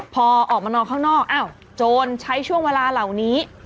พอออกมานอนข้างนอกอ้าวโจรใช้ช่วงเวลาเหล่านี้